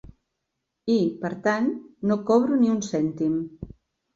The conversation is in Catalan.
I, per tant, no cobro ni un cèntim.